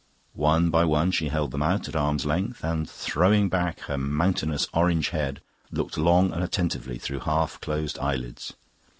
One by one she held them out at arm's length and, throwing back her mountainous orange head, looked long and attentively through half closed eyelids.